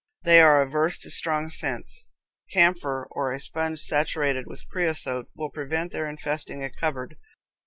They are averse to strong scents. Camphor, or a sponge saturated with creosote, will prevent their infesting a cupboard.